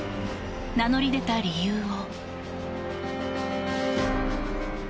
名乗り出た理由を。